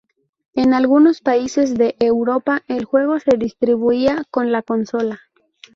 En algunos países de Europa el juego se distribuía con la consola.